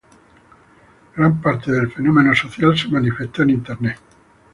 Gran parte del fenómeno social se manifestó en Internet.